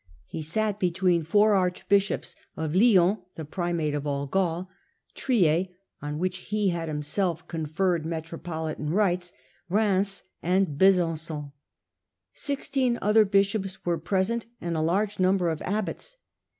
He sat between four archbishops : of Lyons (the Primate Qj^jjy^^j of all Gaul), Trier (on which he had himself K«*™^iw* conferred metropolitan rights), Reims, and Besan^on. Sixteen other bishops were present, and a large number of abbots.